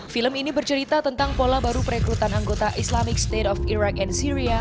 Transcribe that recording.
film ini bercerita tentang pola baru perekrutan anggota islamic state of irak and syria